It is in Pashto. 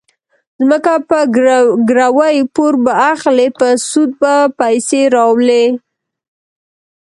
ځمکه به ګروي، پور به اخلي، په سود به پیسې راولي.